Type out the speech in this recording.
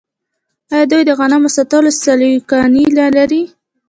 آیا دوی د غنمو د ساتلو سیلوګانې نلري؟